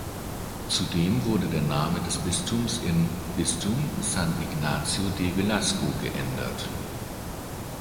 Zudem wurde der Name des Bistums in "Bistum San Ignacio de Velasco" geändert.